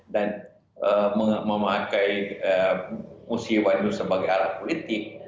dan memakai musim waduh sebagai alat politik